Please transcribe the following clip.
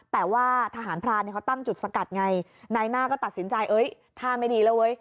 แต่ว่าทหารพรานเนี่ยเขาตั้งจุดสกัดไงนายหน้าก็ตัดสินใจเอ้ยท่าไม่ดีแล้วเว้ย